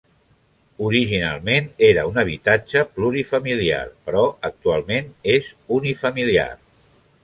Originalment era un habitatge plurifamiliar, però actualment és unifamiliar.